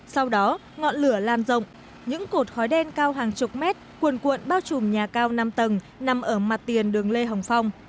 sau đó ngọn lửa lan rộng những cột khói đen cao hàng chục mét cuồn cuộn bao trùm nhà cao năm tầng nằm ở mặt tiền đường lê hồng phong